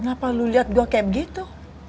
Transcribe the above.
kenapa lu liat gua kayak begitu